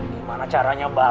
gimana caranya mbak